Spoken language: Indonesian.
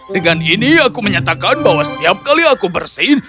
dengan ini aku menyatakan bahwa setiap kali aku bersin